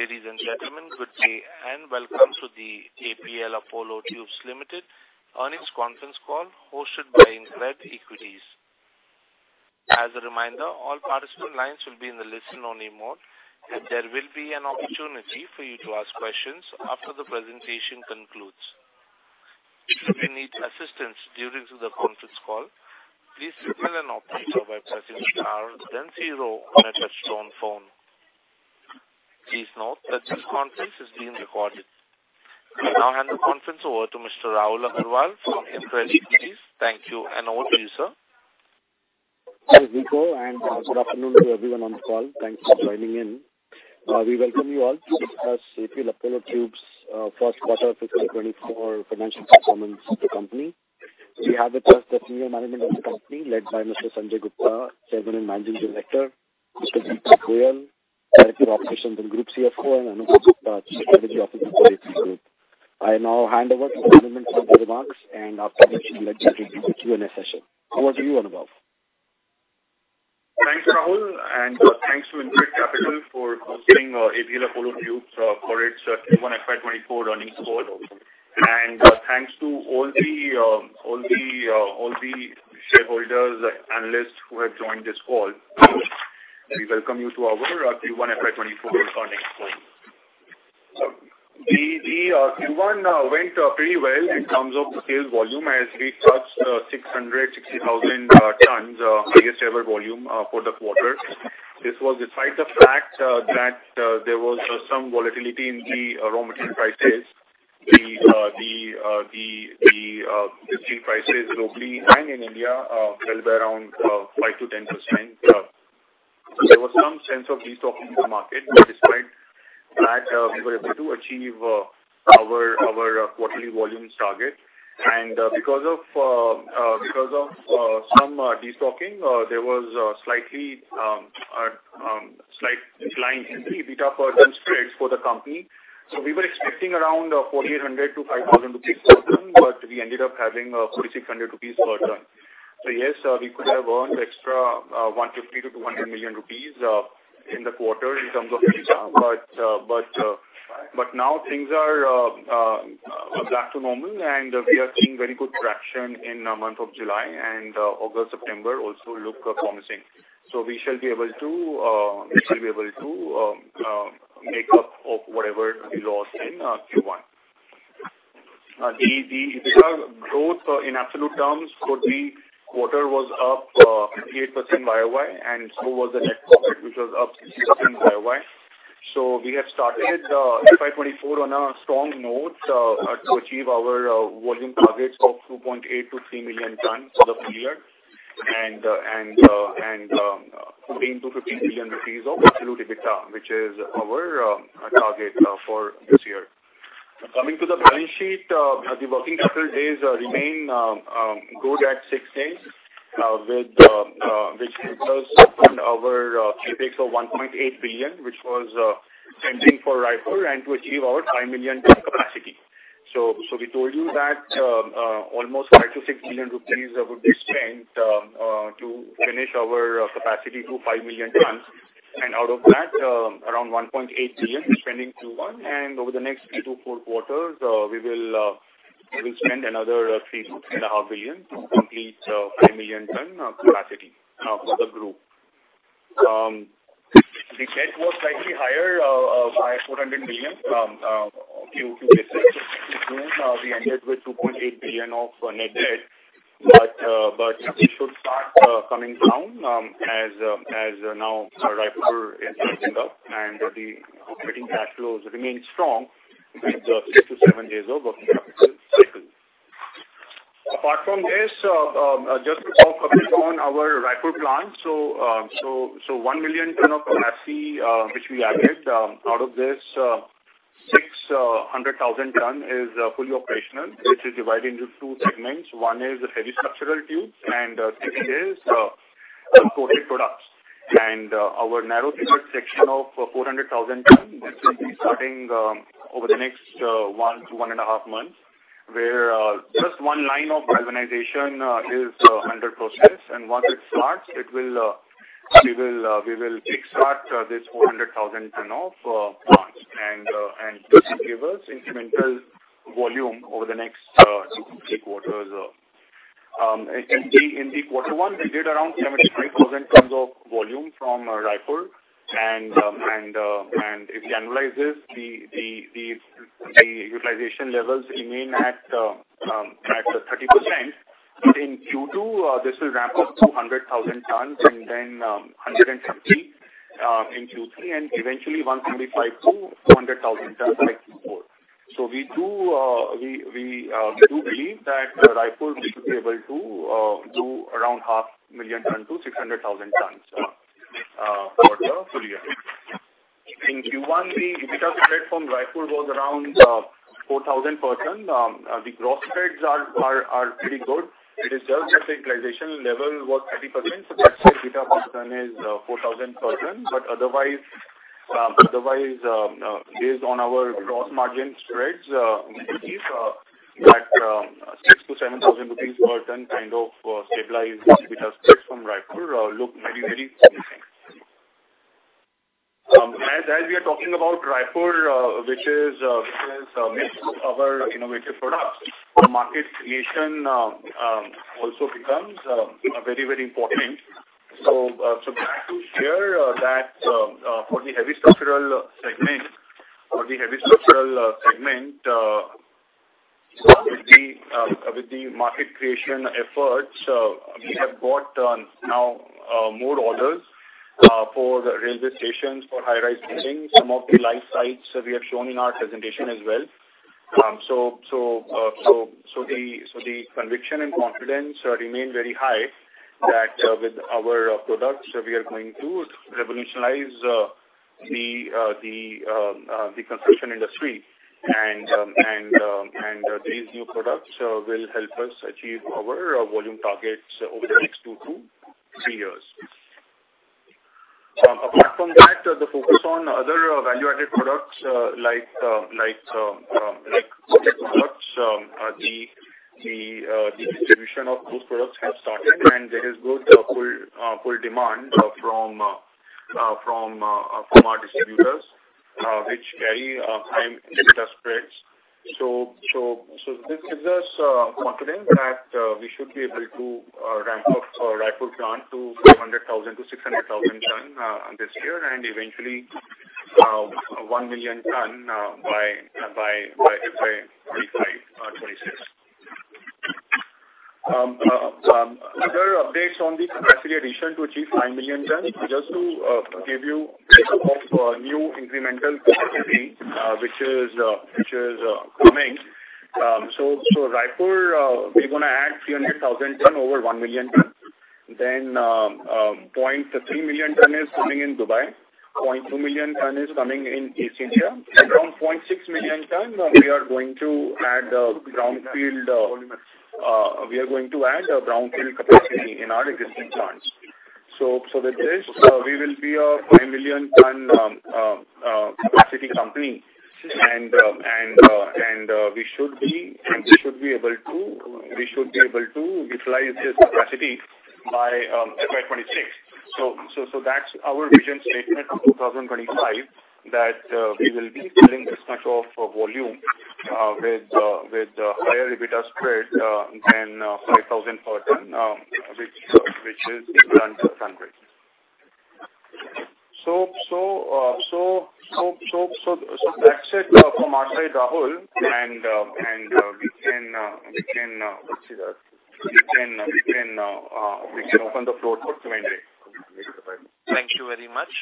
Ladies and gentlemen, good day, and welcome to the APL Apollo Tubes Limited earnings conference call hosted by InCred Equities. As a reminder, all participant lines will be in the listen-only mode. There will be an opportunity for you to ask questions after the presentation concludes. If you need assistance during the conference call, please signal an operator by pressing star then one on a touch-tone phone. Please note that this conference is being recorded. I now hand the conference over to Mr. Rahul Agarwal from InCred Equities. Thank you. Over to you, sir. Thank you. Good afternoon to everyone on the call. Thanks for joining in. We welcome you all to discuss APL Apollo Tubes' first quarter of fiscal 2024 financial performance of the company. We have with us the senior management of the company, led by Mr. Sanjay Gupta, Chairman and Managing Director, Mr. Deepak Goyal, Director of Operations and Group CFO, and Anubhav Gupta, Strategy Officer, APL Group. I now hand over to management for the remarks. After that, we shall lead to the Q&A session. Over to you, Anubhav. Thanks, Rahul, thanks to InCred Capital for hosting APL Apollo Tubes for its Q1 FY24 earnings call. Thanks to all the shareholders, analysts who have joined this call. We welcome you to our Q1 FY24 earnings call. The Q1 went pretty well in terms of the sales volume as we touched 660,000 tons, highest ever volume for the quarter. This was despite the fact that there was some volatility in the raw material prices. The steel prices globally and in India fell by around 5% to 10%. There was some sense of destocking in the market, despite that, we were able to achieve our quarterly volumes target. Because of because of some destocking, there was slightly slight decline in the EBITDA per ton spreads for the company. We were expecting around 4,800 to 5,000 rupees per ton, but we ended up having 4,600 rupees per ton. Yes, we could have earned extra 150 million to 200 million rupees in the quarter in terms of EBITDA, but but but now things are back to normal, and we are seeing very good traction in the month of July, and August, September also look promising. We shall be able to we shall be able to make up of whatever we lost in Q1. Because growth in absolute terms for the quarter was up 8% YOY, and so was the net profit, which was up YOY. We have started FY24 on a strong note to achieve our volume targets of 2.8 million to 3 million tons for the full year and 14 billion rupees to INR 15 billion of absolute EBITDA, which is our target for this year. Coming to the balance sheet, the working capital days remain good at 6 days, which helps us on our CapEx of 1.8 billion, which was pending for Raipur, and to achieve our 5 million ton capacity. We told you that almost 5 billion to 6 billion would be spent to finish our capacity to 5 million tons, and out of that, around 1.8 billion is spending Q1, and over the next 3 to 4 quarters, we will spend another 3 billion to 3.5 billion to complete 5 million ton capacity for the APL Group. The debt was slightly higher by 400 million Q to Q, we ended with 2.8 billion of net debt, but it should start coming down as now Raipur is starting up and the operating cash flows remain strong with 6-7 days of working capital cycle. Apart from this, just to talk a bit on our Raipur plant, 1 million tons of capacity which we added, out of this, 600,000 tons is fully operational, which is divided into 2 segments. One is the heavy structural tubes, and second is coated products. Our narrow throughput section of 400,000 tons, this will be starting over the next 1 to 1.5 months, where just 1 line of organization is 100%. Once it starts, it will, we will, we will kickstart this 400,000 tons of plants, and this will give us incremental volume over the next 2 to 3 quarters. In the quarter one, we did around 75,000 tons of volume from Raipur, and if you annualize this, the utilization levels remain at 30%. In Q2, this will ramp up to 100,000 tons, and then 150,000 in Q3, and eventually 175,000 to 200,000 tons by Q4. We do believe that Raipur will be able to do around 500,000 to 600,000 tons for the full year. In Q1, the EBITDA spread from Raipur was around 4,000%. The gross spreads are pretty good. It is just that the utilization level was 30%, so that's why EBITDA concern is 4,000%. Otherwise, otherwise, based on our gross margin spreads, it is that 6,000 to 7,000 per ton kind of stabilized EBITDA spreads from Raipur look very, very promising. As we are talking about Raipur, which is which is our innovative products, the market creation also becomes very, very important. Glad to share that for the heavy structural segment, for the heavy structural segment, with the market creation efforts, we have got now more orders for the railway stations, for high-rise buildings, some of the live sites we have shown in our presentation as well. The conviction and confidence remain very high, that with our products, we are going to revolutionize the construction industry. These new products will help us achieve our volume targets over the next two to three years. Apart from that, the focus on other value-added products, like products, the distribution of those products have started, and there is good full demand from our distributors, which carry high EBITDA spreads. This gives us confidence that we should be able to ramp up our Raipur plant to 500,000 to 600,000 ton this year, and eventually 1 million ton by FY 2025 or 2026. Further updates on the capacity addition to achieve 5 million tons, just to give you of new incremental capacity which is coming. Raipur, we're going to add 300,000 ton, over 1 million ton. 0.3 million ton is coming in Dubai, 0.2 million ton is coming in East India. Around 0.6 million ton, we are going to add brownfield, we are going to add a brownfield capacity in our existing plants. So with this, we will be a 4 million ton capacity company. And we should be able to utilize this capacity by FY 2026. So, so that's our vision statement on 2025, that we will be selling this much of volume, with higher EBITDA spread, than 5,000 per ton, which is equivalent to ton. So that's it from our side, Rahul, and we can open the floor for Q&A. Thank you very much.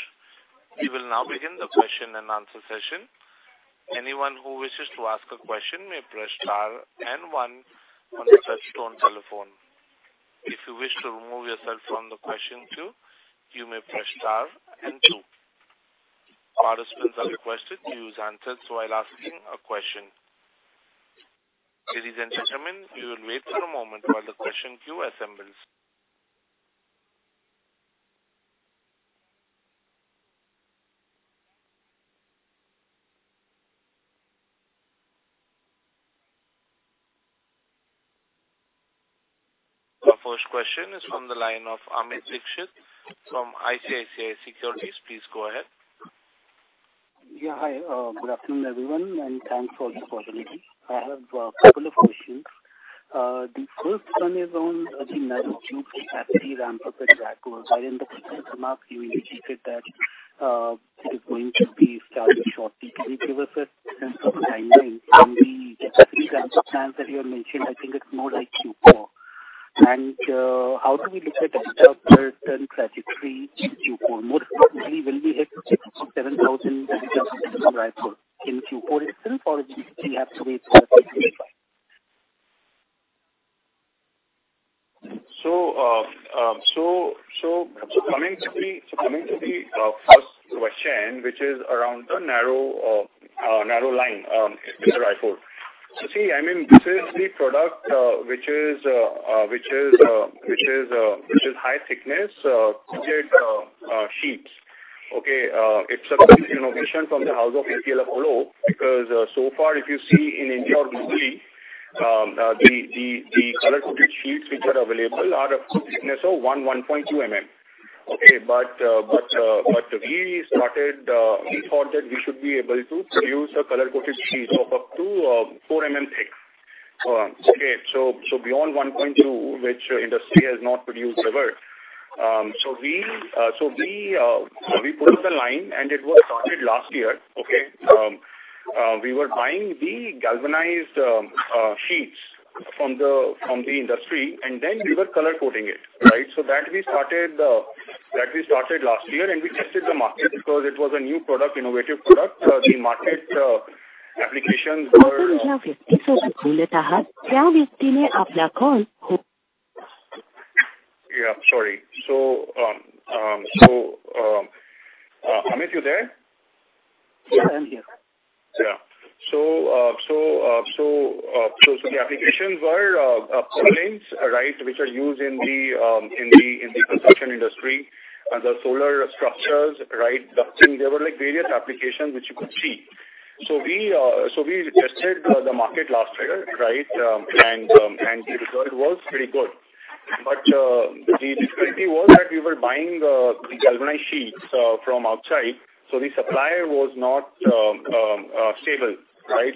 We will now begin the question and answer session. Anyone who wishes to ask a question may press star and one on the touch-tone telephone. If you wish to remove yourself from the question two, you may press star and two. Participants are requested to use answers while asking a question. Ladies and gentlemen, you will wait for a moment while the question queue assembles. Our first question is from the line of Amit Dixit from ICICI Securities. Please go ahead. Yeah, hi. good afternoon, everyone, and thanks for the opportunity. I have a couple of questions. The first one is on the narrow capacity ramp up in Raipur. While in the second mark, you indicated that it is going to be started shortly. Can you give us a sense of timeline on the capacity ramp plans that you have mentioned? I think it's more like Q4. How do we look at the trajectory in Q4? More importantly, will we hit 6,000 or 7,000 in Raipur in Q4 itself, or we still have to wait till 2025? Coming to the first question, which is around the narrow line in Raipur. I mean, this is the product which is high thickness coated sheets. It's a big innovation from the house of APL Apollo, because so far, if you see in India or globally, the color-coated sheets which are available are of thickness of 1, 1.2 mm. But we started, we thought that we should be able to produce a color-coated sheet of up to 4 mm thick. So beyond 1.2, which industry has not produced ever. We put the line, and it was started last year, okay? We were buying the galvanized sheets from the, from the industry, and then we were color-coding it, right? That we started last year, and we tested the market because it was a new product, innovative product. The market applications were- Yeah, sorry. Amit, you there? Yeah, I'm here. Yeah. The applications were right, which are used in the in the construction industry, and the solar structures, right? There were, like, various applications which you could see. We tested the market last year, right? And the result was pretty good. The difficulty was that we were buying the galvanized sheets from outside, so the supplier was not stable, right?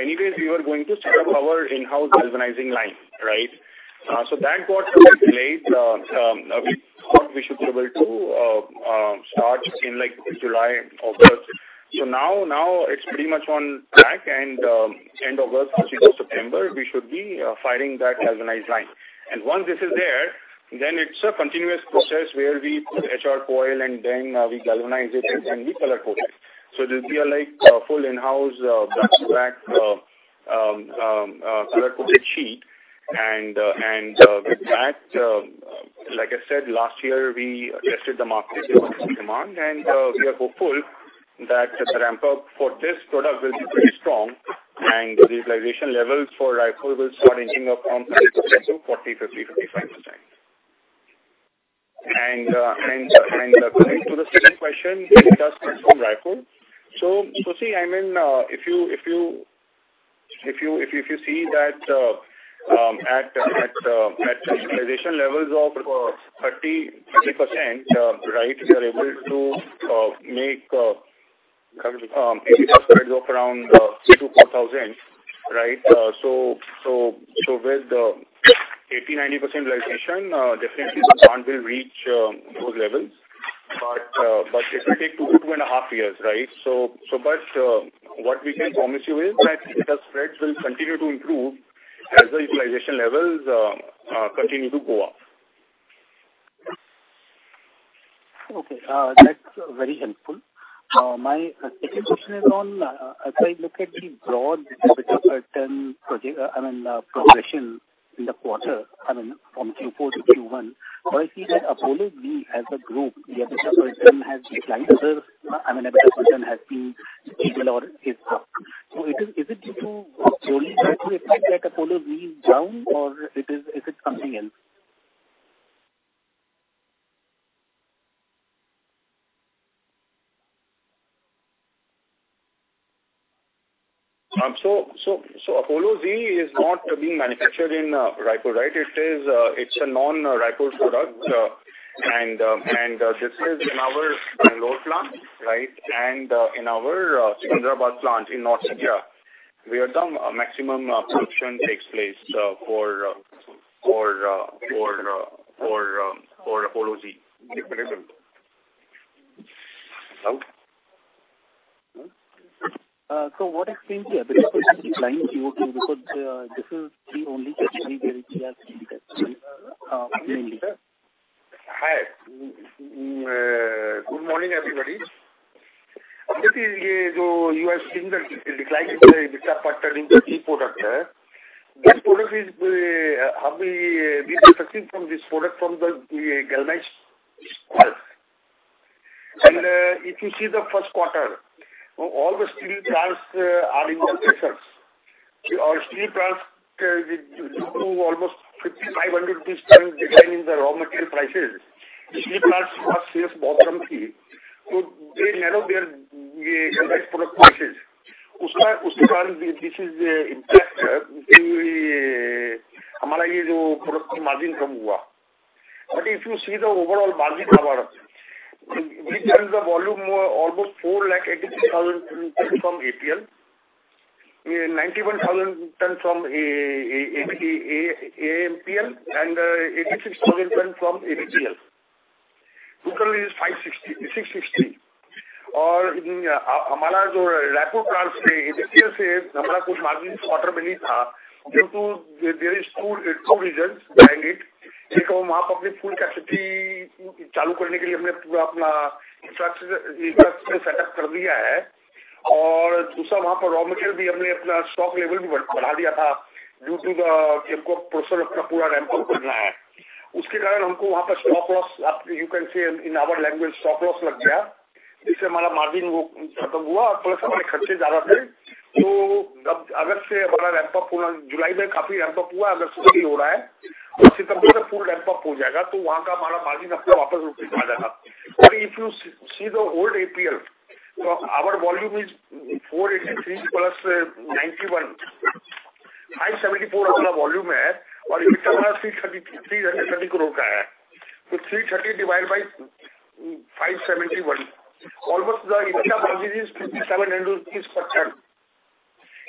Anyways, we were going to set up our in-house galvanizing line, right? So that got a little late. We thought we should be able to start in, like, July, August. Now, now it's pretty much on track and end of August, first week of September, we should be filing that galvanizing line. Once this is there, then it's a continuous process where we put HR coil and then we galvanize it, and then we color code it. It will be a, like, full in-house, back-to-back, color-coded sheet. With that, like I said, last year, we tested the market demand, and we are hopeful that the ramp up for this product will be pretty strong, and the utilization level for Raipur will start inching up from 30% to 40%, 50%, 55%. To the second question, it does come from Raipur. See, I mean, if you see that, at utilization levels of 30, 30%, right, we are able to make around 2,000-4,000, right? With 80, 90% utilization, definitely the demand will reach those levels. It will take 2, 2.5 years, right? What we can promise you is that the spreads will continue to improve as the utilization levels continue to go up. Okay, that's very helpful. My second question is on, as I look at the broad EBITDA pattern project, progression in the quarter, from Q4 to Q1, where I see that Apollo V as a group, the EBITDA pattern has declined over, EBITDA pattern has been stable or is up. It is, is it due to only that, we expect that Apollo V is down or it is, is it something else? Apollo V is not being manufactured in Raipur, right? It is, it's a non-Raipur product. This is in our Bangalore plant, right? In our Hyderabad plant in North India, where the maximum production takes place, for Apollo V available. Hello? what explains the EBITDA decline, Q2? Because, this is the only category where we have seen it, mainly. Hi. Good morning, everybody. Obviously, you, you are seeing the decline in the EBITDA pattern in the key product. That product is, have we been discussing from this product from the, the galvanized product. If you see the first quarter, all the steel plants are in the research. Our steel plants, due to almost 5,500% decline in the raw material prices, steel plants were safe bottom fee. They narrow their product prices. This is the impact, margin. If you see the overall margin cover, we turned the volume almost 483,000 from APR, 91,000 tons from AMPL, 86,000 tons from ADPL. Total is 560,660. Raipur plants, ADPL, margin quarter due to there is two reasons behind it. One, full capacity infrastructure setup. Raw material stock level due to the process ramp up. You can say in our language, stock loss. Margin kharche jada the. August ramp up, July ramp up ho raha hai. September full ramp up ho jayega. Wahan ka mala margin aapka wapas utha jayega. If you see the old APR, our volume is 483 plus 91. 574 volume hai, EBITDA INR 330 crore kya hai. 330 divided by 571. Almost the EBITDA margin is 57% into this percent.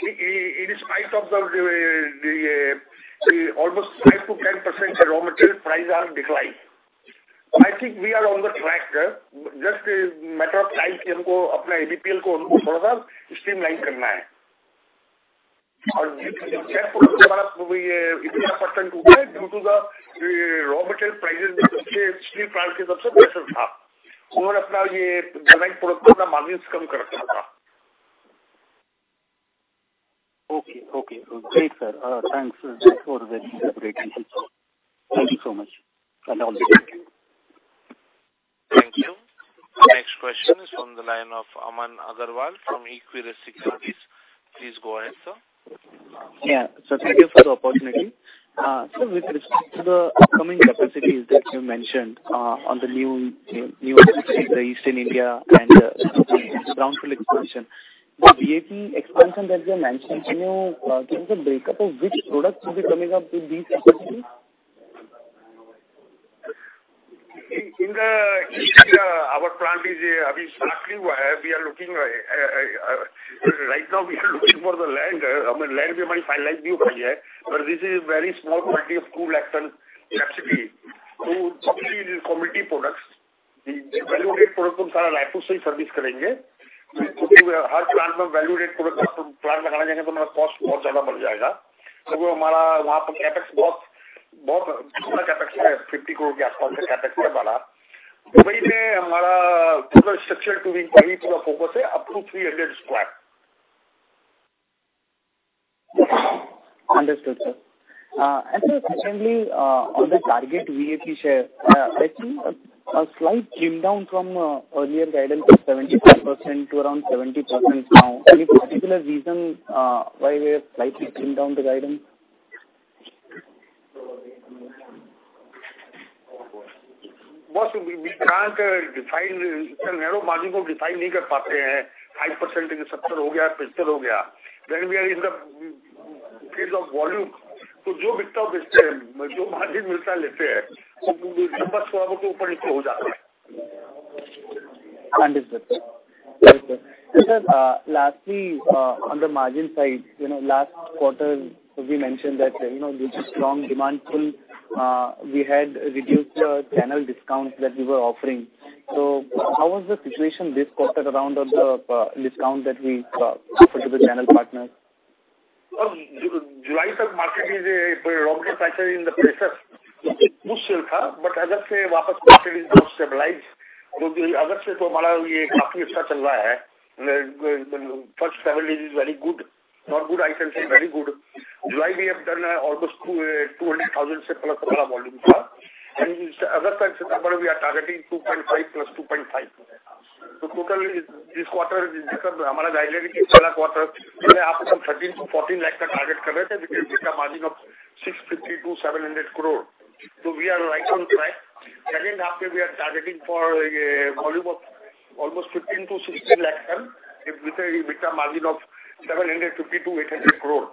In spite of the almost 5%-10% raw material prices are declined. I think we are on the track, just a matter of time to APPL ko thoda sa streamline karna hai. EBITDA % hue hai due to the raw material prices which is steel plant ke sabse pressure tha. Unhone apna ye galvanized product ka margins kam kar rakha tha. Okay. Okay. Great, sir. Thanks for the great details. Thank you so much. All the best. Thank you. Our next question is from the line of Aman Agarwal from Equirus Securities. Please go ahead, sir. Thank you for the opportunity. With respect to the upcoming capacities that you mentioned, on the new, new entities in the Eastern India and, ground field expansion-... The VAP expansion that you have mentioned, you know, give us a breakup of which product will be coming up to these capacity? Our plant is starting, we are looking at, right now we are looking for the land. I mean, land we might finalize, but this is a very small quantity of 2 lakh ton capacity. Totally commodity products, the value-added product from Raipur service. Every value-added product plant cost, cost. CapEx, CapEx INR 50 crore capacity. Structure to be complete focus is up to 300 square. Understood, sir. Secondly, on the target VAP share, I think a slight trim down from earlier guidance of 75% to around 70% now. Any particular reason, why we have slightly trimmed down the guidance? Boss, we can't define, narrow margin, define 5% sector, we are in the case of volume. We sell, margin margin. Numbers go up and up. Understood, sir. Okay, sir, lastly, on the margin side, you know, last quarter we mentioned that, you know, with the strong demand pool, we had reduced the channel discounts that we were offering. How was the situation this quarter around on the discount that we offered to the channel partners? July, the market is a very in the process, but August is now stabilized. August, first 7 days is very good. Not good, I can say very good. July, we have done almost 200,000+ volume, and August we are targeting 2.5 lakh plus 2.5 lakh. Totally this quarter, our guidance quarter, 13 to 14 lakh target, which is a margin of INR 650 to 700 crore. We are right on track. Second half, we are targeting for a volume of almost 15-16 lakh ton, with a margin of 750 to 800 crore.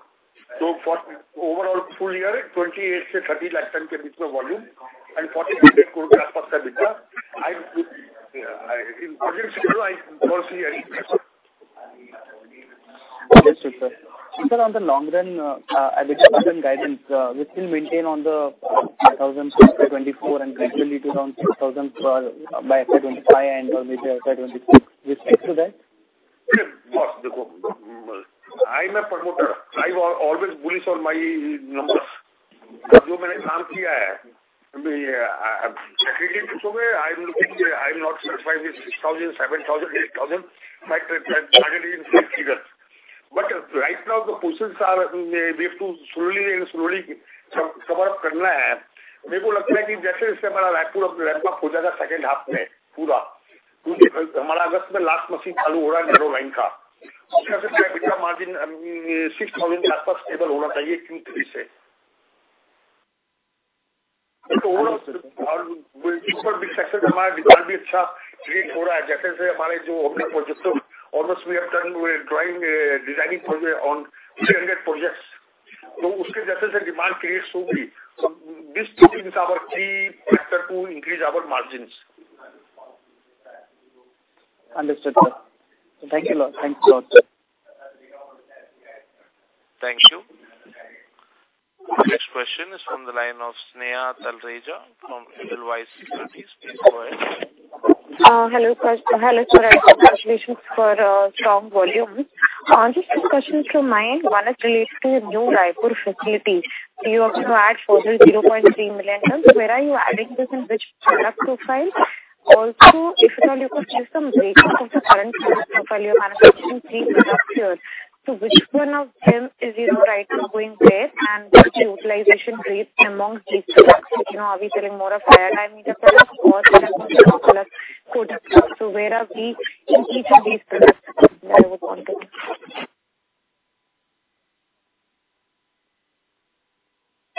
For overall full year, 28 to 30 lakh ton volume and INR 40 crore. I would, in August, I closely... Understood, sir. Sir, on the long run, guidance, we still maintain on the 1,024 and gradually to around 6,000 by FY 2025 and FY 2026. We stick to that? Of course. I'm a promoter. I always bullish on my numbers. I have done, I, I believe I'm looking, I'm not satisfied with 6,000, 7,000, 8,000, my target is very clear. Right now, the positions are we have to slowly and slowly cover up. I think as our Raipur will be ramped up in the second half, completely. Because in August, our last machine was started, narrow line. The margin INR 6,000 should be stable from Q3. Overall, our demand is also good, as our projects, almost we have done drawing, designing on 300 projects. As the demand creates only, these two things are our key factor to increase our margins. Understood, sir. Thank you, Lord. Thank you so much, sir. Thank you. Next question is from the line of Sneha Talreja from Edelweiss Securities. Please go ahead. Hello, first. Hello, sir, and congratulations for strong volume. Just two questions from my end. One is related to your new Raipur facility. You are going to add further 0.3 million tons. Where are you adding this and which product profile? Also, if you could give some breakup of the current profile, you are manufacturing 3 structures. Which one of them is, you know, right now going where, and what's the utilization rate amongst these products? Are we selling more of air and meter products or other products? Where are we in each of these products that I would want to know?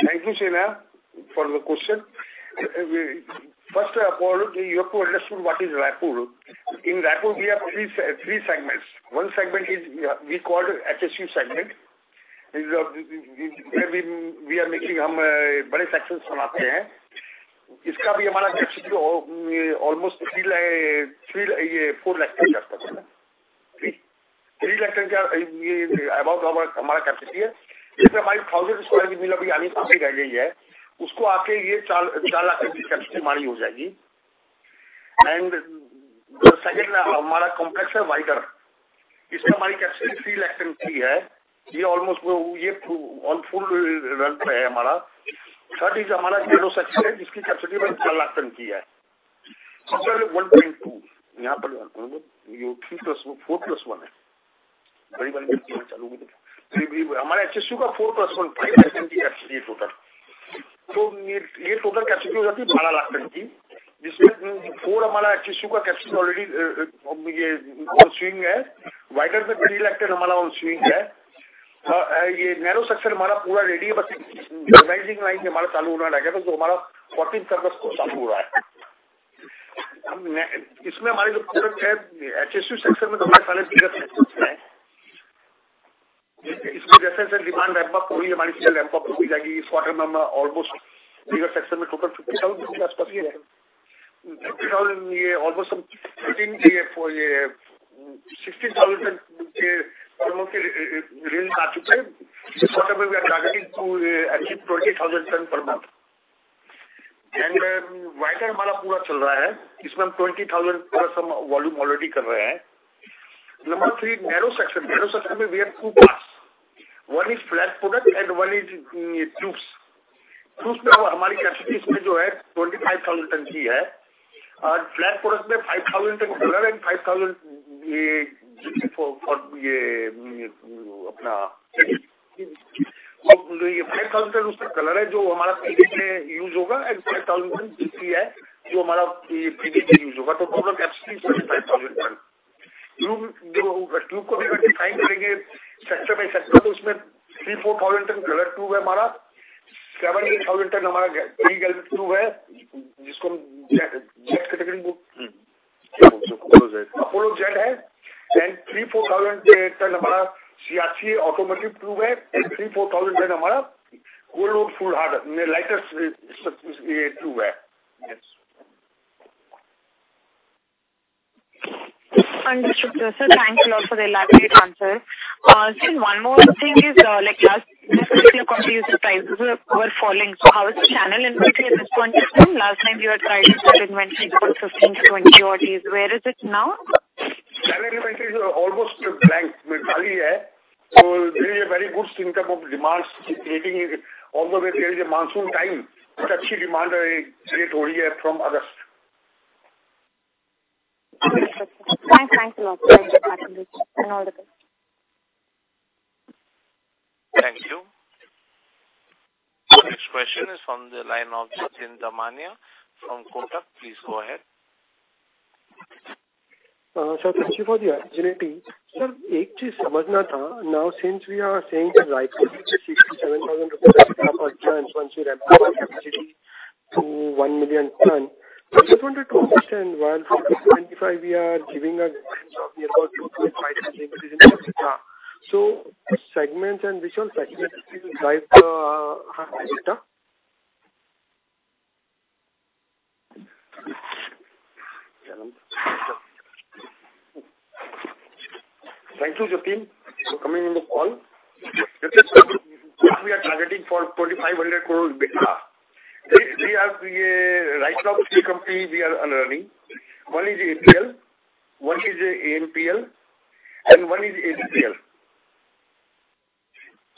Thank you, Sneha, for the question. First of all, you have to understand what is Raipur. In Raipur, we have 3 seg, 3 segments. One segment is, we call HSU segment. We, we, we are making, sections. Almost 3-4 lakh ton capacity. 3 lakh ton capacity. 1,000 sq meter is already there. After that, the capacity will be 4 lakh ton. The second, our complex is wider. In this our capacity is 3 lakh ton. This is almost on full run rate. Third is our narrow section, whose capacity is 4 lakh ton. 1.2, yeah, 3 + 4 + 1. Our HSU is 4 + 1, 5 lakh ton capacity total. This total capacity is 12 lakh ton. In this 4, our HSU capacity already is on swing, wider is 3 lakh ton on swing. This narrow section is completely ready, just the rising line is yet to start. Our 14th August it will start. In this, our total HSU section in the last quarter is bigger. In this, as the demand ramp up, our sale will ramp up, which will be in this quarter almost bigger section of total 50,000 tons. This year almost some 13, 16,000 tons of forms have come. This quarter we are targeting to achieve 20,000 tons per month. Wider mala is running completely. In this, we are doing 20,000+ volume already. Number 3, narrow section. Narrow section we have two parts. One is flat product and one is tubes. Tubes, our capacity in this is 25,000 tons. In flat product 5,000 ton is color and 5,000 for, for 5,000 ton is color, which will be used in PV and 5,000 ton is GP, which will be used in our PV. Total capacity is 35,000 ton. Tube, if we define the tube section by section, then in that 3,000 to 4,000 ton color tube is ours, 7,000 to 8,000 ton is our pre-galvanized tube, which we call Jet category. Apollo Jet and 3,000 to 4,000 ton is our CRC automatic tube and 3,000 to 4,000 ton is our cold-rolled full harder, lighter tube. Understood, sir. Thank you a lot for the elaborate answer. sir, one more thing is, like last quarter continued prices were falling. How is the channel inventory at this point in time? Last time you had tried to get inventory for 15-20 odd days. Where is it now? Channel inventory is almost blank, it is empty. There is a very good symptom of demand creating, although there is a monsoon time, but good demand is being created from August. Okay, sir. Thanks a lot for your participation. All the best. Thank you. Our next question is from the line of Jatin Damania from Kotak. Please go ahead. Sir, thank you for the opportunity. Sir, one thing I wanted to understand, now, since we are saying that right now 67,000 rupees per ton, once you ramp up our capacity to 1 million ton, I just wanted to understand while for 2025 we are giving a guidance of near about 2.5 something. Which segments and which all segments will drive the higher data? Thank you, Jatin, for coming on the call. We are targeting for 2,500 crore data. We are right now three company we are running. One is APL, one is NPL, and one is ADPL.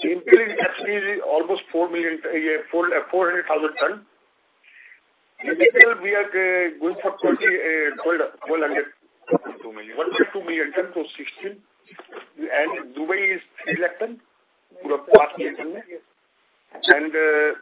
NPL is actually almost 4 million, 400,000 ton. In APL, we are going for 20, 1,200- INR 2 million. 1.2 million tons, so 16. Dubai is 300,000 tons,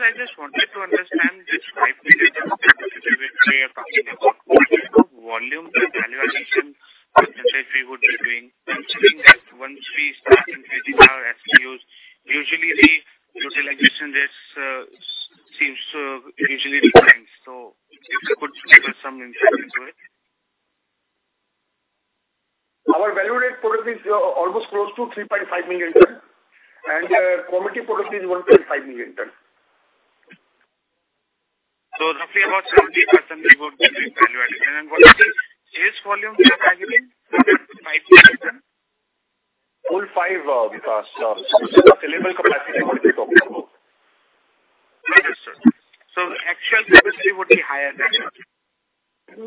ton EBITDA, it's almost close to INR 400 crore. APL, I think, in INR 4,500 per ton is the EBITDA margin. 3,100 into 4,500, INR 1,400 crore. 14 plus 4, 60 plus 8, 26 plus 3, almost we are targeting for INR 60,000 crore of EBITDA. Certainly, we are talking INR 3,500 crore of EBITDA. Okay. Sir, thank you for the explanation. Thank you, sir. Thank you. Our next question is from the line of Vikas Singh from PhillipCapital. Please go ahead. Good afternoon, sir. Thank you for giving me the opportunity. Sir, I just wanted to understand this 5 million ton capacity we are talking about, what is the volume and value addition which we would be doing, considering that once we start using our SGUs, usually the utilization rates, seems to usually be ranked, so if you could give us some insight into it? Our value add product is almost close to 3.5 million ton, commodity product is 1.5 million ton. Roughly about 70% would be the value addition. What is the sales volume we are targeting? 5 million tons? Full 5, Vikas, sellable capacity what we are talking about? Understood. The actual capacity would be higher than that. Sir,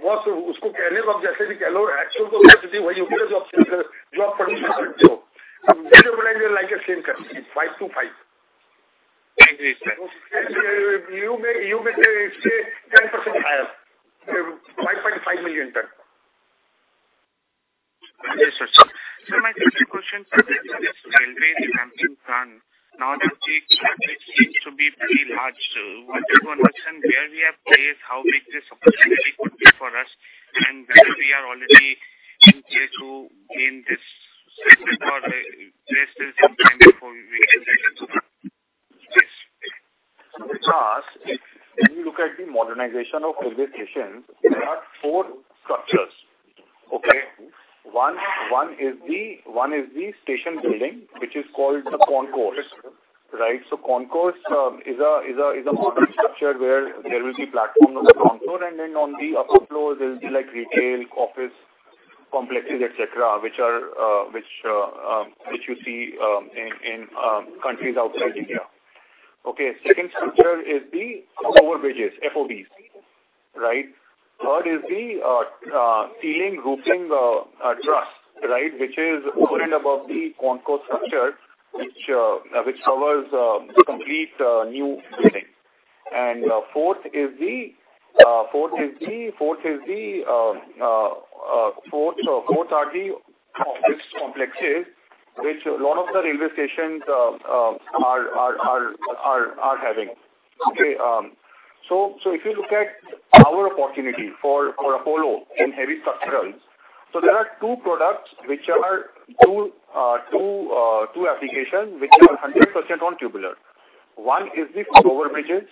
whatever you say, the actual capacity is what you are producing. When you put it like a same capacity, 5 to 5. You may, you may say 10% higher, 5.5 million tons. Yes, sir. My second question, sir, is railway revamping plan. Now that the country seems to be pretty large. Wanted to understand where we are placed, how big this opportunity could be for us, and whether we are already in place to gain this or place this in time before we can start? Yes. If you look at the modernization of railway stations, there are four structures, okay? One is the station building, which is called the concourse, right? Concourse is a modern structure where there will be platforms on the ground floor, and then on the upper floor, there'll be like retail, office complexes, et cetera, which are which you see in countries outside India. Okay, second structure is the over bridges, FOBs, right? Third is the ceiling roofing trust, right, which is over and above the concourse structure, which covers the complete new building. Fourth are the office complexes, which a lot of the railway stations are having. If you look at our opportunity for Apollo in heavy structures, there are two products which are two applications which are 100% on tubular. One is the over bridges,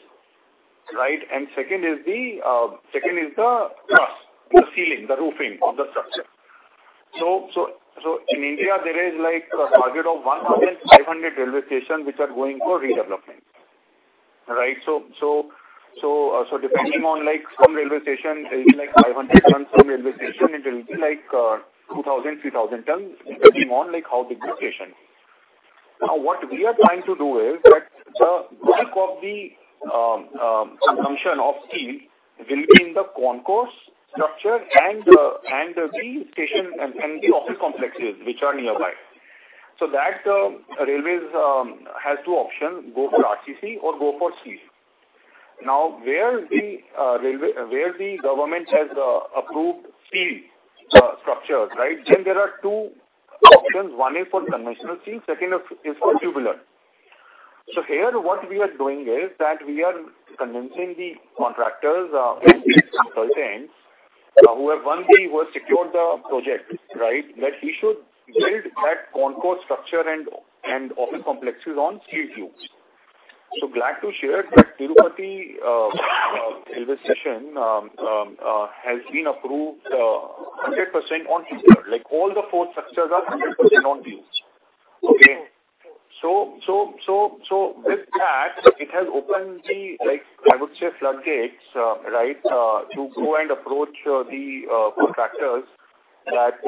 right? Second is the ceiling, the roofing of the structure. In India, there is like a target of 1,500 railway stations which are going for redevelopment, right? Depending on like some railway station, it will be like 500 tons, some railway station, it will be like 2,000-3,000 tons, depending on, like, how big the station. What we are trying to do is that the bulk of the consumption of steel will be in the concourse structure and the, and the station and, and the office complexes which are nearby. That railways has two options: go for RCC or go for steel. Where the government has approved steel structures, right? There are two options. One is for conventional steel, second is for tubular. Here, what we are doing is that we are convincing the contractors, consultants, who have won the, who have secured the project, right, that we should build that concourse structure and, and office complexes on steel tubes. Glad to share that Tirupati railway station has been approved 100% on tubular. Like, all the four structures are 100% on tubes. Okay? With that, it has opened the, like, I would say, floodgates, right, to go and approach the contractors that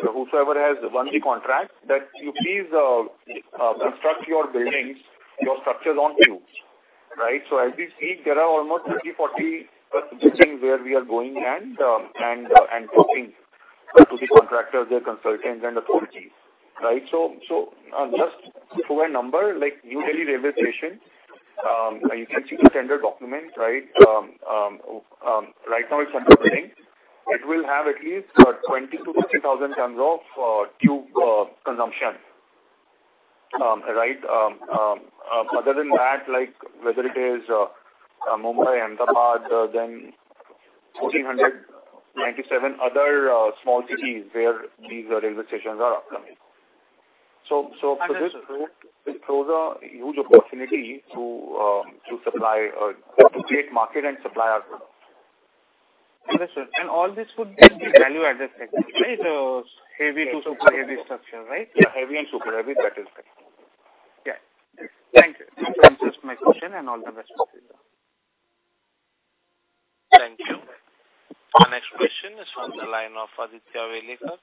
whosoever has won the contract, that you please, construct your buildings, your structures on tubes, right? As we speak, there are almost 30-40 projects where we are going and, and talking to the contractors, the consultants and authorities, right? Just to a number, like New Delhi railway station, you can see the standard document, right? Right now it's under building. It will have at least 20,000 to 22,000 tons of tube consumption. Other than that, like, whether it is Mumbai, Ahmedabad, then 1,497 other small cities where these railway stations are upcoming. For this, it throws a huge opportunity to supply, to create market and supply our products. Understood. All this could be value-added segment, right? Heavy to super heavy structure, right? Yeah, heavy and super heavy, that is right. Yeah. Thank you. That's just my question, and all the best for you. Thank you. Our next question is on the line of Aditya Welekar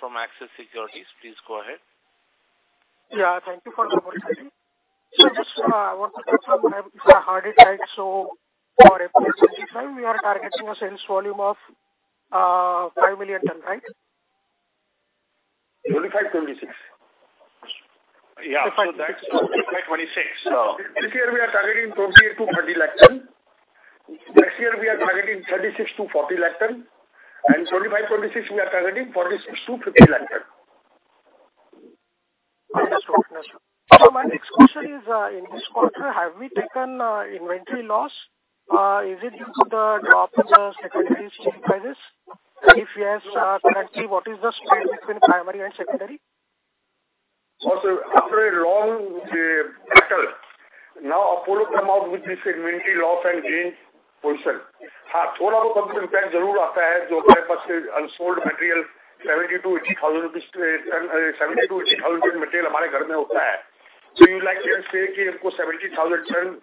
from Axis Securities. Please go ahead. Yeah, thank you for the opportunity. Just, I want to confirm, I have it heard it right. For FY 25, we are targeting a sales volume of 5 million ton, right? 25, 26. Yeah, that's 25, 26. This year we are targeting 28 to 30 lakh ton. Next year, we are targeting 36 to 40 lakh ton. 2025, 2026, we are targeting 46 to 50 lakh ton. Understood. Understood. My next question is, in this quarter, have we taken inventory loss? Is it due to the drop in the secondary steel prices? If yes, currently, what is the split between primary and secondary? After a long battle, now Apollo come out with this inventory loss and gain position. unsold material, INR 70,000 to 80,000, 70,000 to 80,000 material. You like can say 70,000 tons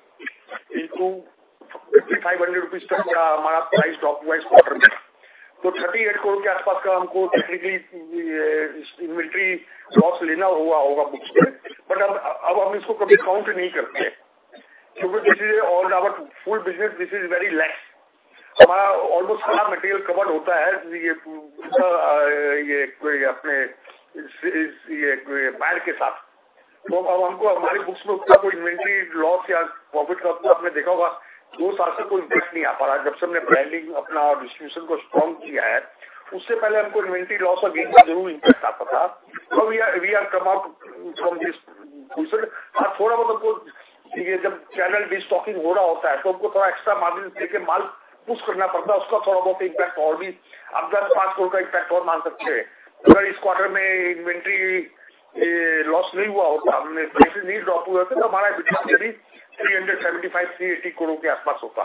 into INR 5,500 price drop wise quarter. INR 38 crore technically, inventory loss but now we count it because this is on our full business, this is very less. Almost all material covered होता है. ये अपने ये एक पैर के साथ तो अब हमको हमारी बुक्स में उतना कोई inventory loss या profit loss आपने देखा होगा. 2 साल से कोई impact नहीं आ पा रहा है. जब से हमने branding अपना distribution को strong किया है, उससे पहले हमको inventory loss जरूर impact आता था. We are come out from this. थोड़ा बहुत हमको जब channel stocking हो रहा होता है तो हमको थोड़ा एक्स्ट्रा मार्जिन देकर माल push करना पड़ता है. उसका थोड़ा बहुत impact और भी. आप INR 10-5 crore का impact और मान सकते हैं. अगर इस quarter में inventory loss नहीं हुआ होता,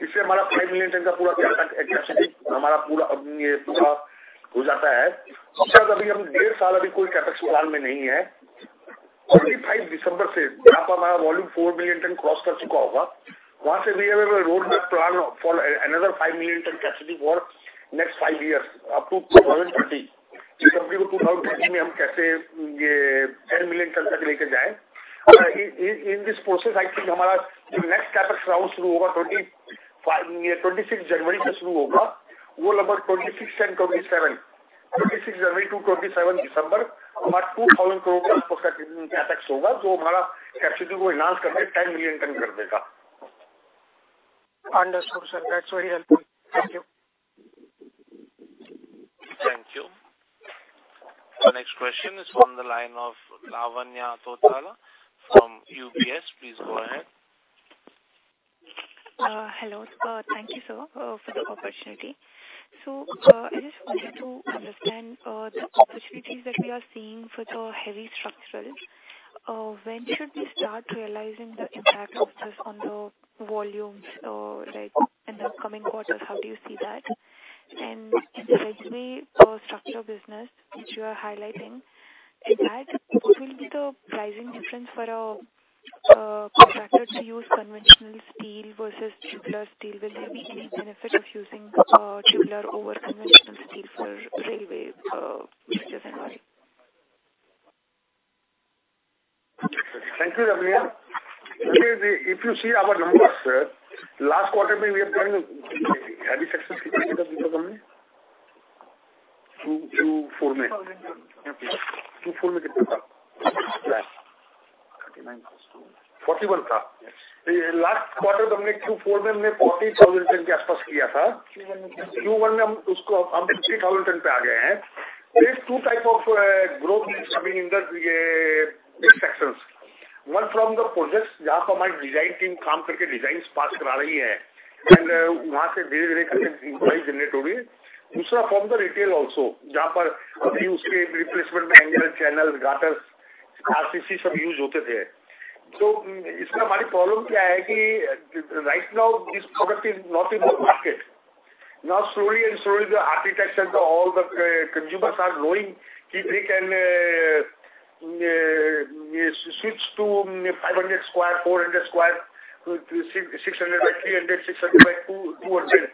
हमने price नहीं drop हुए होते तो हमारा business अभी INR 375-380 crore के आसपास होता. Understood sir! Next is what is our capacity identified twenty five for twenty four mind sixty stod million तो will that be enough. Capex जो फाइव मिलियन को अचीव करने के लिए ऑलमोस्ट थ्री हंड्रेड करोड़ के आसपास स्पेंडिंग रह गया है। May be ten twenty crore plus minus पाँच परसेंट प्लस माइनस। इससे हमारा Q4 में हमने 40,000 tons के आसपास किया था। Q1 में हम उसको हम 3,000 tons पर आ गए हैं। देर 2 types of growth coming in the sections, one from the projects जहां पर हमारी design team काम करके design pass करा रही है and वहां से धीरे धीरे inquiry generate होगी। दूसरा from the retail also, जहां पर अभी उसके replacement में angle channel, girders, RCC सब use होते थे। तो इसमें हमारी problem क्या है कि right now this product is not in the market. Now slowly and slowly the architect and all the consumers are knowing कि we can switch to 500 square, 400 square, 600, 300, 600 by 200.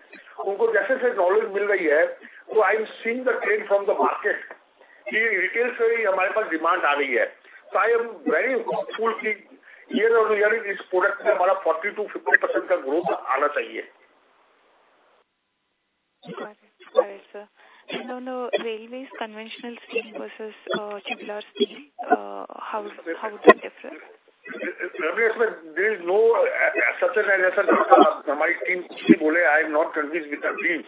उनको जैसे जैसे knowledge मिल रही है, तो I am seeing the trend from the market. ये retail से ही हमारे पास demand आ रही है। तो I am very hopeful कि year-on-year इस product में हमारा 40%-50% का growth आना चाहिए। Sir, railway, conventional steel versus tubular steel, how is the difference? There is no such and such. हमारी टीम बोले, I am not convince with the team.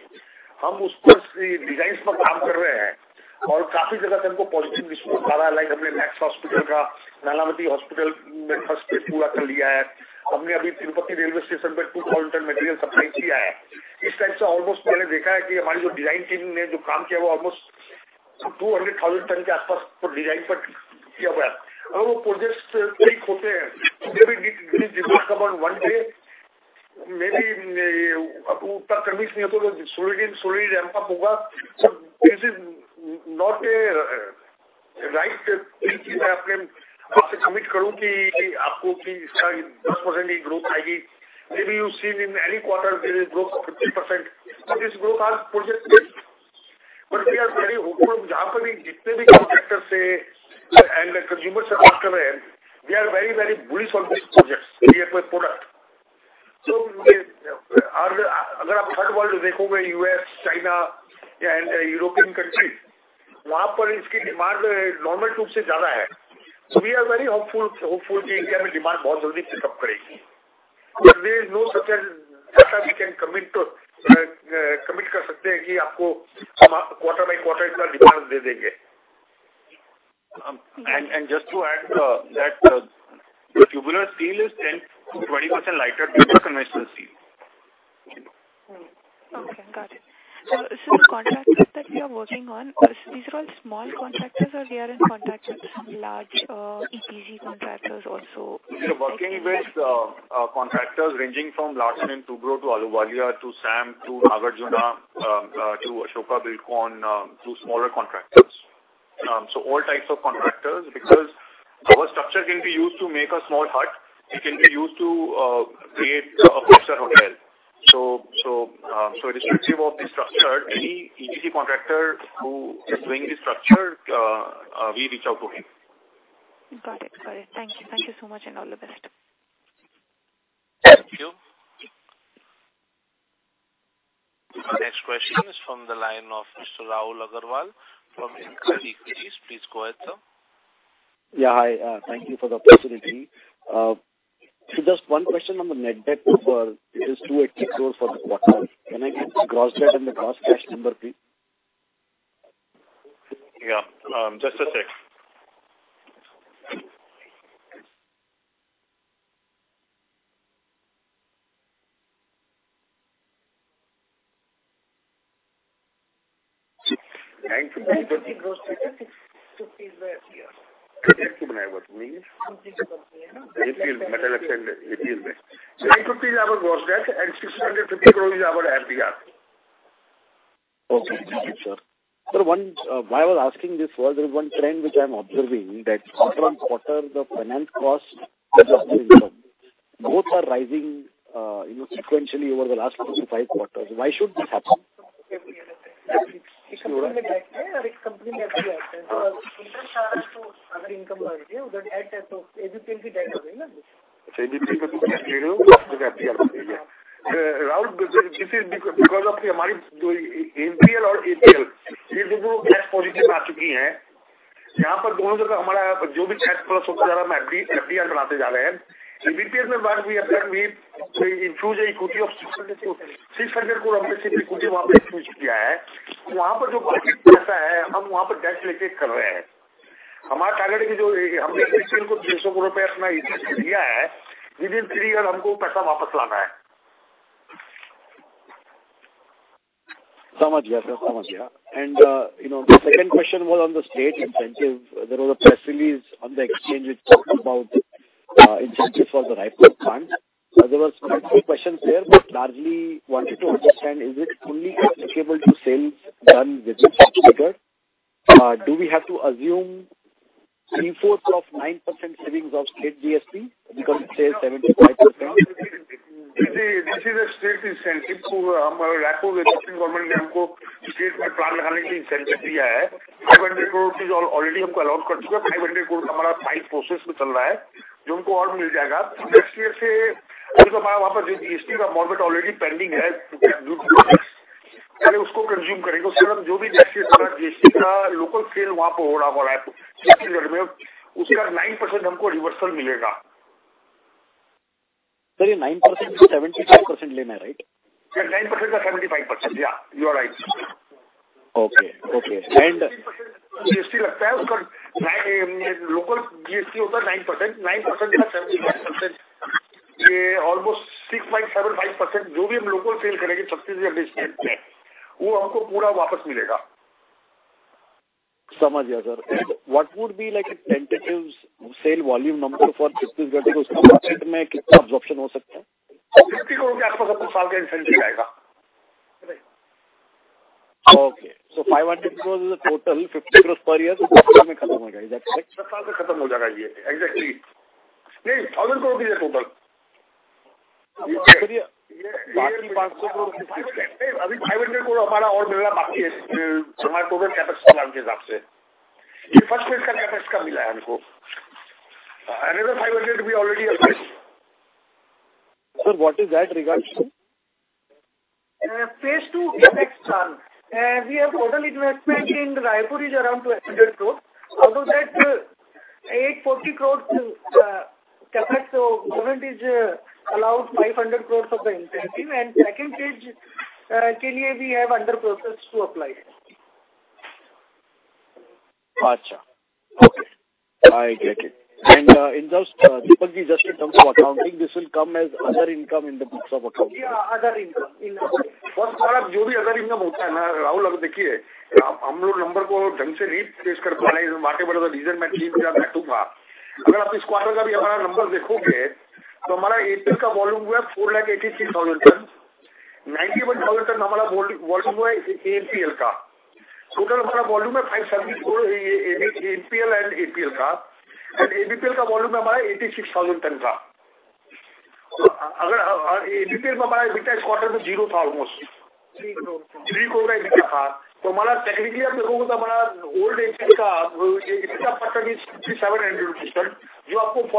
हम उस पर डिजाइन पर काम कर रहे हैं और काफी जगह से हमको पॉजिटिव रिस्पॉन्स मिला। लाइक अपने मैक्स हॉस्पिटल का नाला नती हॉस्पिटल में फर्स्ट पूरा कर लिया है। हमने अभी तिरुपति रेलवे स्टेशन पर two thousand ton material supply किया है। इस टाइम से ऑलमोस्ट मैंने देखा है कि हमारी जो डिजाइन टीम ने जो काम किया वह almost two hundred thousand ton के आसपास डिजाइन पर किया गया है। वो प्रोजेक्ट ठीक होते हैं। एक दिन मे बी उतना कन्विंस नहीं होता। स्लोली स्लोली रैंप अप होगा। This is not a right, कि मैं अपने आपसे कमिट करूं कि आपको इस साल दस परसेंट ग्रोथ आएगी। May be you see in any quarter growth fifty percent. This growth project. But we are very hopeful. जहां पर भी जितने भी कॉन्ट्रैक्टर से एंड कंज्यूमर्स हैं, we are very very bullish on this project और product. तो अगर आप वर्ल्ड देखोगे US, China and European country, वहां पर इसकी डिमांड नॉर्मल से ज्यादा है। So we are very hopeful, hopeful कि इंडिया में डिमांड बहुत जल्दी पिक अप करेगी। There is no such that we can commit to commit कर सकते हैं कि आपको क्वार्टर बाइ क्वार्टर डिमांड दे देंगे। And just to add that tubular steel is ten to twenty percent lighter than conventional steel. Okay, got it. So contractor that we are working on, these are all small contractor और we are in contract with some large EPC contractors also. Working with contractor ranging from Larsen and Toubro to Alodia, to Sam, to Nagarjuna, to Ashoka Buildcon, to small contractors.... so all types of contractors, because our structure can be used to make a small hut. It can be used to create a hotel. Irrespective of the structure, any ETC contractor who is doing this structure, we reach out to him. Got it. Got it. Thank you. Thank you so much, and all the best. Thank you. Our next question is from the line of Mr. Rahul Agarwal from InCred Equities. Please go ahead, sir. Yeah, hi. Thank you for the opportunity. Just one question on the net debt for this 284 crore for the quarter. Can I get the gross debt and the gross cash number, please? Yeah. Just a sec. INR 950 crore gross debt and INR 650 crore is the FDR.... INR 950 crore is our gross debt, and INR 650 crore is our FDR. Okay, thank you, sir. One, why I was asking this was, there is one trend which I'm observing that quarter-on-quarter, the finance costs both are rising, you know, sequentially over the last two to five quarters. Why should this happen? Rahul, this is because of the APL or APL. These two cash positions are coming. Here, both of them, whatever cash plus is coming, we are making FDR. In ABPL, we have infused equity of INR 600 crore. We have infused INR 600 crore equity there. The money that is there, we are taking debt there and doing it. Our target is that we have taken INR 300 as our interest, within three years we have to bring that money back. Understand, sir. Understand. You know, the second question was on the state incentive. There was a press release on the exchange which talked about incentive for the Raipur plant. There was quite a few questions there, largely wanted to understand, is it only applicable to sales done with the distributor? Do we have to assume 75% of 9% savings of state GST? Because it says 75%. This is, this is a state incentive to Raipur, the state government has given us an incentive to set up a plant in the state. INR 500 crore is already allowed to us. INR 500 crore, our site process is going on, which we will get more. Next year, our GST amount is already pending there. First we will consume that. Whatever local sale of GST is happening there in Chhattisgarh, we will get 9% reversal of that. Sir, this 9% is 75% taken, right? Yeah, 9% of 75%. Yeah, you are right. Okay, okay. GST is charged, its local GST is 9%. 9% of 75%, this is almost 6.75%. Whatever we sell locally in Chhattisgarh state, we will get it back in full. Understand, sir. What would be like a tentative sale volume number for Chhattisgarh? How much absorption can happen in it? INR 50 crore, you will get the incentive for the whole year. Okay. 500 crore is the total, 50 crore per year, so it will end in a year. Is that correct? It will end in a year. Exactly. No, 1,000 crore is the total. The remaining 500 crore- INR 500 crore is still left for us to get, according to our total capacity. We have got this first phase capacity. Another INR 500 crore, we already applied. Sir, what is that regards to? Phase two in next term. We have total investment in Raipur is around 200 crore. Out of that, 840 crore, capacity of government is, allowed 500 crore of the incentive. Second phase, we have under process to apply. Okay. I get it. In terms, Deepakji, just in terms of accounting, this will come as other income in the books of accounting. Yeah, other income. Sir, whatever other income happens, Rahul, now look, we are not able to present the number properly. The reason behind it was that I was on leave. If you look at our numbers for this quarter also, our APL volume is 483,000 tons. 91,000 ton is our volume of AMPL. Total our volume is 574,000, APL and APL. ABPL volume is 86,000 tons. If ABPL's EBITDA this quarter was 0 almost. INR 3 crore. INR 3 crore EBITDA was there. If you look at us technically, our old EBITDA is INR 6,700 crore, which you are seeing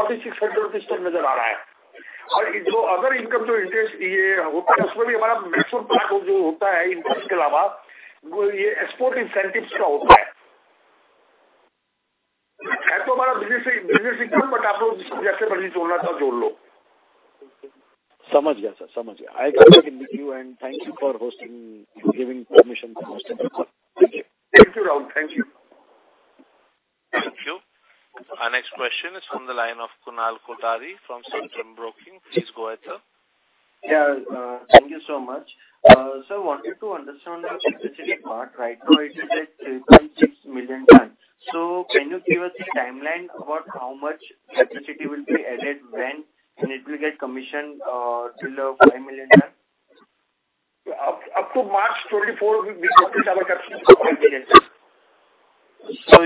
as INR 4,600 crore. The other income, which is interest, in that also our mature part, which is apart from interest, is of export incentives. This is our business, business income, but you can add it however you want to add it. Understand, sir. Understand. I'll talk in with you. Thank you for hosting, giving permission to host the call. Thank you. Thank you, Rahul. Thank you. Thank you. Our next question is from the line of Kunal Kothari from Centrum Broking. Please go ahead, sir. Yeah, thank you so much. wanted to understand the electricity part. Right now, it is at 3.6 million tons. Can you give us a timeline about how much electricity will be added when, and it will get commissioned, till 5 million tons?... up to March 2024, we will be completing our capacity to 5 million tons.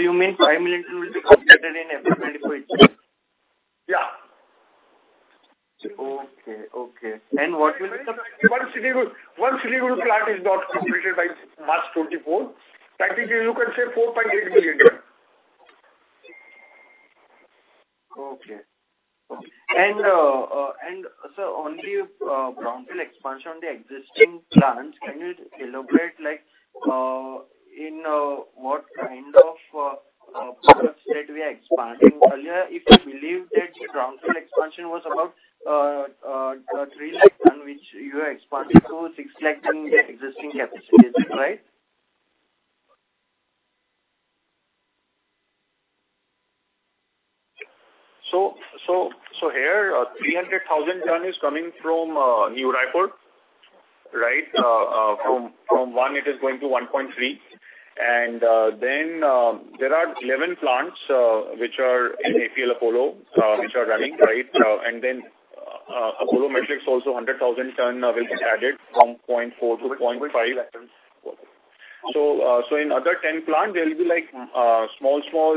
You mean 5 million will be completed in April 2024? Yeah. Okay, okay. What will the- Once Siliguri, once Siliguri plant is not completed by March 2024, that is, you can say 4.8 million ton. Okay. On the brownfield expansion on the existing plants, can you elaborate, like, in what kind of products that we are expanding earlier? If you believe that the brownfield expansion was about 3 lakh ton, which you are expanding to 6 lakh ton the existing capacity, right? Here, 300,000 ton is coming from New Raipur, right? From 1 million ton it is going to 1.3 million ton. There are 11 plants which are in APL Apollo which are running, right? Apollo Matrix also 100,000 ton will be added from 0.4 million ton to 0.5 million ton. In other 10 plant, there will be like small, small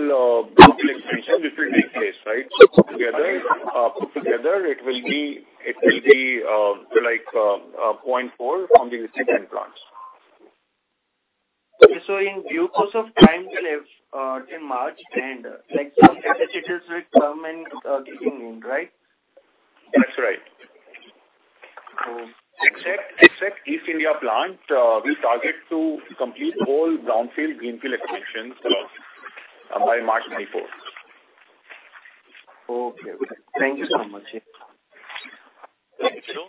brownfield expansion which will take place, right? Put together, put together, 0.4 million ton from the existing plants. In due course of time will have, in March and like some capacities will come in, giving in, right? That's right. So- Except, except East India plant, we target to complete whole brownfield, greenfield expansions by March 2024. Okay. Thank you so much. Thank you.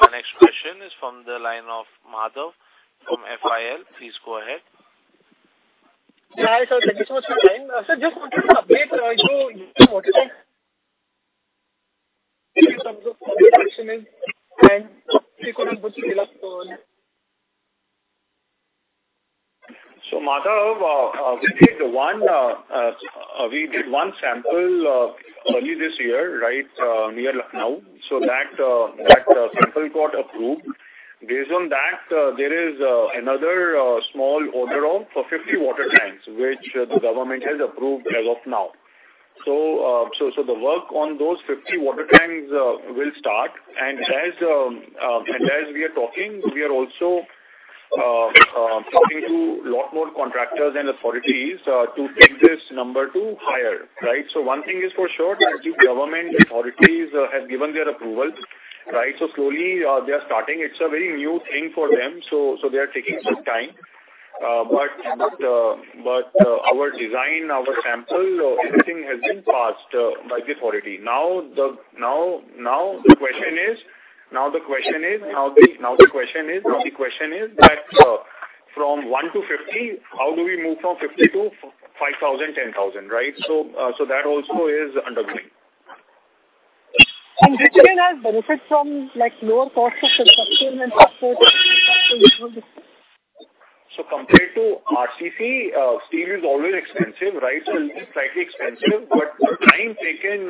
Our next question is from the line of Madhav from FIL. Please go ahead. Hi, sir. Thank you so much for your time. Sir, just wanted to update you water tank. We could not put it up on. Madhav, we did one, we did one sample early this year, right, near Lucknow. That, that sample got approved. Based on that, there is another small order of for 50 water tanks, which the government has approved as of now. The work on those 50 water tanks will start. As, and as we are talking, we are also talking to lot more contractors and authorities to take this number to higher, right? One thing is for sure, that the government authorities have given their approval, right? Slowly, they are starting. It's a very new thing for them, so, so they are taking some time. But, but our design, our sample, everything has been passed by the authority. Now the question is that, from 1 to 50, how do we move from 50 to 5,000, 10,000, right? That also is undergoing. Which again has benefit from, like, lower cost of construction and support? Compared to RCC, steel is always expensive, right? It is slightly expensive, but the time taken,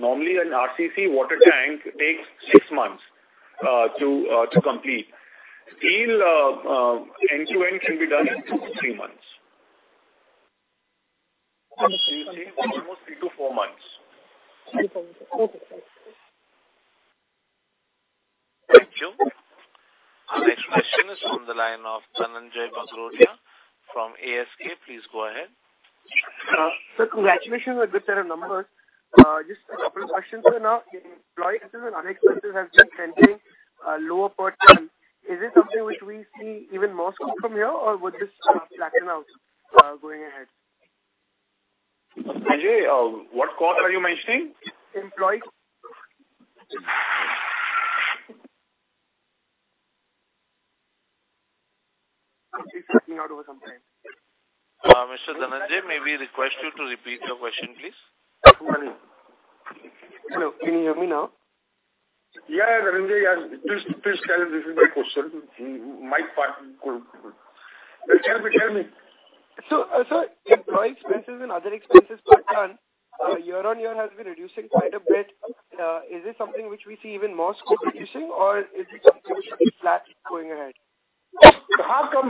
normally an RCC water tank takes 6 months to complete. Steel, end-to-end can be done in 2 to 3 months. Almost 3 to 4 months. Three to four months. Okay, thank you. Thank you. Our next question is from the line of Dhananjay Bagrocia from ASK. Please go ahead. Congratulations on a good set of numbers. Just 2 questions for now. Employee expenses and other expenses have been trending lower per ton. Is this something which we see even more so from here, or would this flatten out, going ahead? Dhananjay, what cost are you mentioning? Not over some time. Mr. Dhananjay, may we request you to repeat your question, please? Good morning. Hello, can you hear me now? Yeah, Dhananjay, yeah. Please, please go ahead with my question. My part good. Tell me, tell me. Sir, employee expenses and other expenses per ton, year-on-year has been reducing quite a bit. Is this something which we see even more competition or is it something which will be flat going ahead? Dhananjay,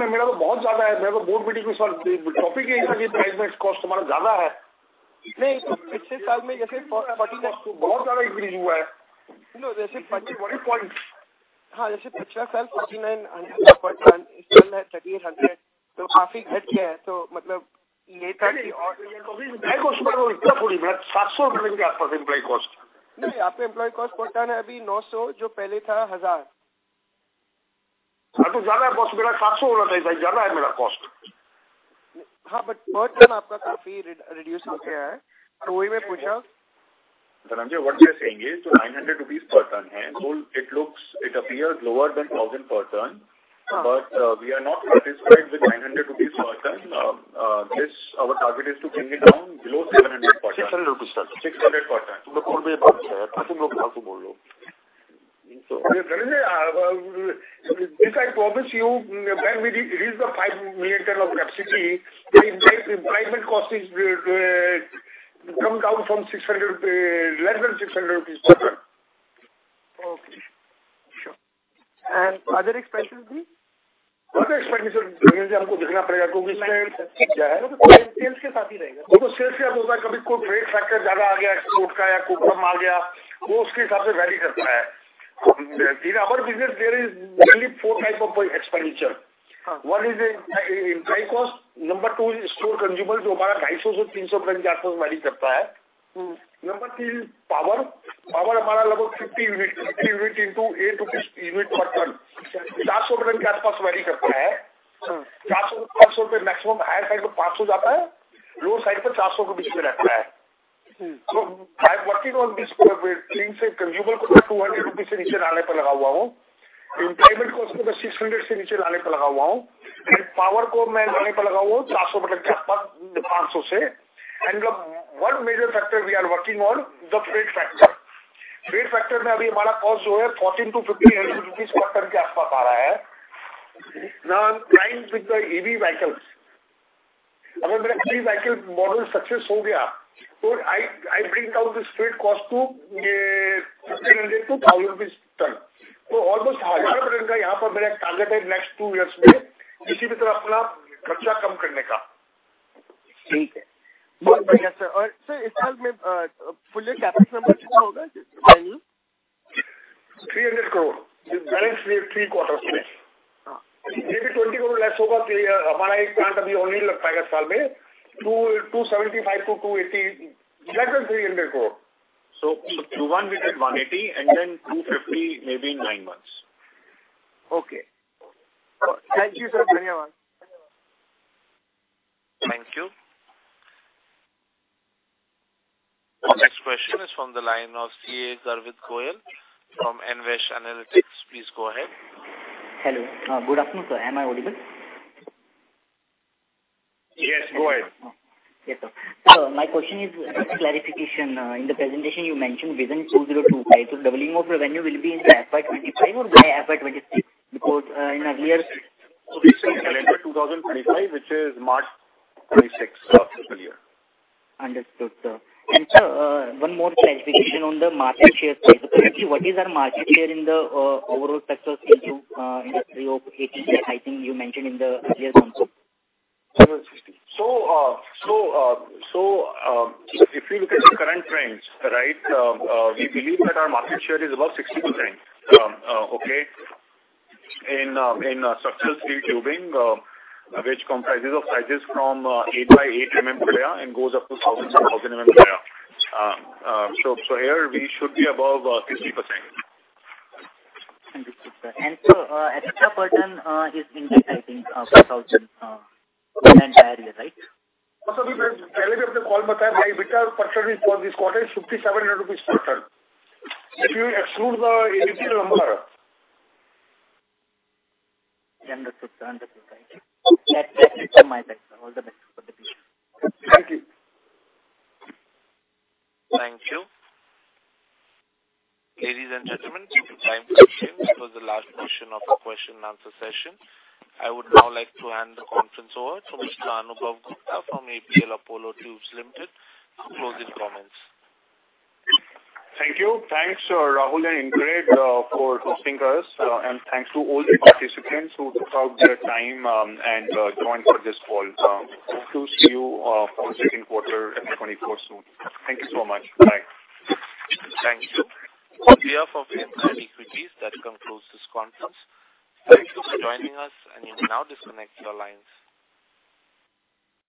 what we are saying is, INR 900 per ton, it looks, it appears lower than 1,000 per ton, but we are not satisfied with INR 900 per ton. This, our target is to bring it down below 700 per ton. 600 per ton. INR 600 per ton. This I promise you, when we reach the 5 million tons of capacity, the employee cost is come down from 600, less than 600 rupees. Okay, sure. Other expenses be? Other expenditure, you have to look at, because what is sales- Sales will stay with sales. Sales, sometimes some trade factor comes more, export or copper comes, it varies according to that. In our business, there is only four type of expenditure. Yeah. One is the employee cost. Number two is store consumable, which is again varies from INR 250-INR 300. Mm. Number three is power. Power is around 50 units, 50 units into INR 80 unit per ton. It varies around INR 400. Mm. INR 400-INR 400, maximum higher side, it goes to INR 500, low side it remains between INR 400. Mm. I'm working on this thing, to bring the consumable below INR 200. I am working to bring the employment cost below INR 600. I am working to bring the power around INR 400 from INR 500. One major factor we are working on, the freight factor. Freight factor, now our cost is INR 1,400-INR 1,500 per ton. Now, I'm trying with the EV vehicles. If my EV vehicle model becomes successful, so I, I bring down this freight cost to 1,500 to 1,000 rupees per ton. Almost 1,000 rupees, my target is in the next two years, to reduce my expenses. Okay. Very good, sir. Sir, in this year, what will be the full CapEx number value? INR 300 crore, the balance we have three quarters. Yeah. Maybe INR 20 crore less, because we have only one plant this year. INR 275-INR 280 crore, less than INR 300 crore. 1 with the 180, and then 250, maybe in 9 months. Okay. Thank you, sir. Thank you very much. Thank you. The next question is from the line of CA Garvit Goyal from Envest Analytics. Please go ahead. Hello. Good afternoon, sir. Am I audible? Yes, go ahead. Yes, sir. My question is clarification. In the presentation, you mentioned within 2025, doubling of revenue will be in the FY 25 or by FY 26, because in earlier- We say calendar 2025, which is March 26 of this year. Understood, sir. Sir, one more clarification on the market share: What is our market share in the overall sector into industry of ATGS? I think you mentioned in the earlier one, sir. If you look at the current trends, right, we believe that our market share is above 60%. Okay. In structure steel tubing, which comprises of sizes from 8 by 8 mm clear and goes up to 1,000 mm clear. Here we should be above 60%. Understood, sir. EBITDA per ton is in, I think, INR 4,000 entirely, right? I told you in the earlier call that my EBITDA per ton for this quarter is INR 5,700 per ton. If you exclude the retail number. Understood, sir. Understood. Thank you. That's my question. All the best for the future. Thank you. Thank you. Ladies and gentlemen, thank you. This was the last question of the question and answer session. I would now like to hand the conference over to Mr. Anubhav Gupta from APL Apollo Tubes Limited, for closing comments. Thank you. Thanks, Rahul and InCred, for hosting us, and thanks to all the participants who took out their time, and joined for this call. Hope to see you for the second quarter in 2024 soon. Thank you so much. Bye. Thank you. On behalf of India Equities, that concludes this conference. Thank you for joining us, and you may now disconnect your lines.